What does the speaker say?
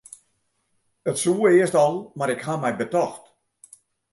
It soe earst al, mar ik haw my betocht.